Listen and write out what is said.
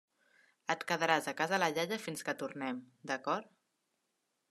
Et quedaràs a casa la iaia fins que tornem, d’acord?